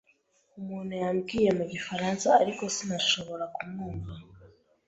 Umuntu yambwiye mu gifaransa, ariko sinashobora kumwumva.